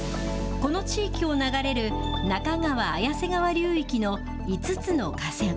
この地域を流れる中川・綾瀬川流域の５つの河川。